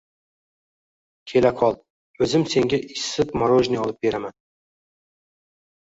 Kela qol, o‘zim senga issiq morojniy olib beraman.